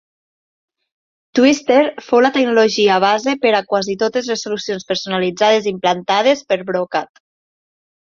Twister fou la tecnologia base per a quasi totes les solucions personalitzades implantades per Brokat.